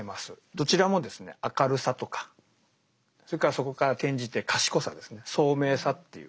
どちらもですね「明るさ」とかそれからそこから転じて「賢さ」ですね「聡明さ」っていう。